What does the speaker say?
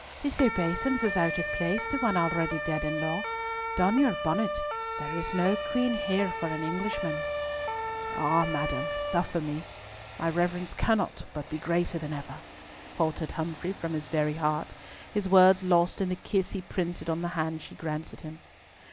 "This obeisance is out of place to one already dead in law. Don your bonnet. There is no queen here for an Englishman." "Ah! madam, suffer me. My reverence cannot but be greater than ever," faltered Humfrey from his very heart, his words lost in the kiss he printed on the hand she granted him.